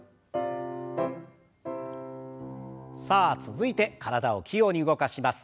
さあ続いて体を器用に動かします。